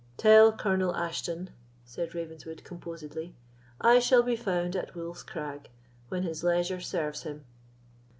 "Tell Colonel Ashton," said Ravenswood, composedly, "I shall be found at Wolf's Crag when his leisure serves him."